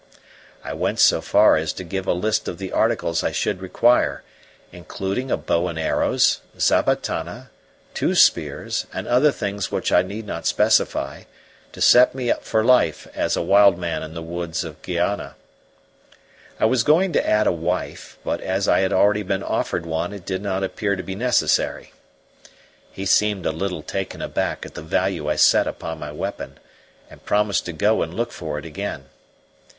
I went so far as to give a list of the articles I should require, including a bow and arrows, zabatana, two spears, and other things which I need not specify, to set me up for life as a wild man in the woods of Guayana. I was going to add a wife, but as I had already been offered one it did not appear to be necessary. He seemed a little taken aback at the value I set upon my weapon, and promised to go and look for it again.